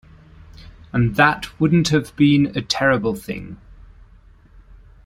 And that wouldn't have been a terrible thing.